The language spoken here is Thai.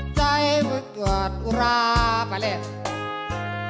เมื่อเกิดอุราไปแล้ว